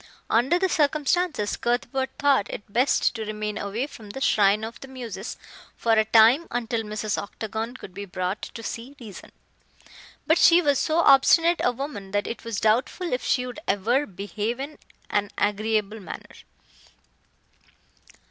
Under the circumstances Cuthbert thought it best to remain away from the "Shrine of the Muses" for a time until Mrs. Octagon could be brought to see reason. But she was so obstinate a woman that it was doubtful if she would ever behave in an agreeable manner.